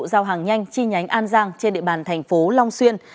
giao hàng nhanh chi nhánh an giang trên địa bàn tp long xuyên